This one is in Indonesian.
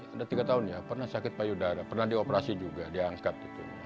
sudah tiga tahun ya pernah sakit payudara pernah dioperasi juga diangkat